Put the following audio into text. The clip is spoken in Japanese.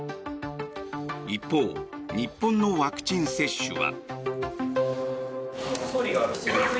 一方、日本のワクチン接種は。